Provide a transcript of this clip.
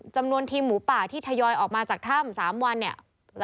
จำนวนทีมหมูป่าที่ทยอยออกมาจากถ้ำ๓วันเนี่ย